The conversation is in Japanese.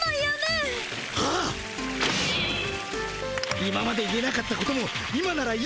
今まで言えなかったことも今なら言える気がするぜ。